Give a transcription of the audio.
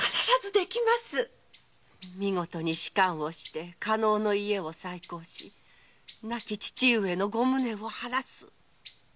見事に仕官をして加納の家を再興し亡き父上のご無念を晴らす。